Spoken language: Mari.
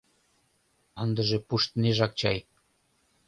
Ындыже пуштнежак чай...